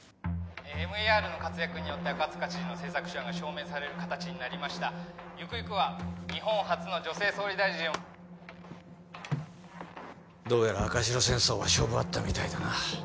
ＭＥＲの活躍によって赤塚知事の政策手腕が証明される形になりましたゆくゆくは日本初の女性総理大臣をどうやら赤白戦争は勝負あったみたいだな